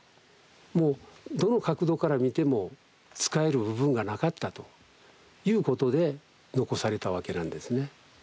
もうどの角度から見ても使える部分がなかったということで残されたわけなんですね。